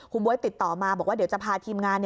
คุณบ๊วยติดต่อมาบอกว่าเดี๋ยวจะพาทีมงาน